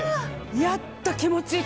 やった、気持ちいい。